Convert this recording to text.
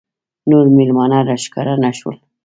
نور مېلمانه راښکاره نه شول.